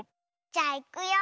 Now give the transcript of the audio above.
じゃあいくよ。